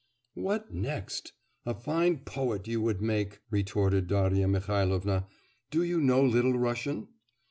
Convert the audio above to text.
'What next? a fine poet you would make!' retorted Darya Mihailovna. 'Do you know Little Russian?